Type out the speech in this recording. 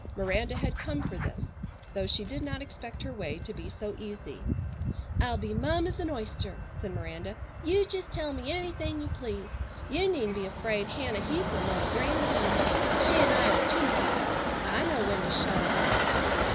Miranda had come for this, though she did not expect her way to be so easy. "I'll be mum as an oyster," said Miranda. "You jest tell me anything you please. You needn't be afraid Hannah Heath'll know a grain about it. She'n' I are two people. I know when to shut up."